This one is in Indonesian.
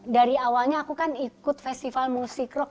dari awalnya aku kan ikut festival musik rock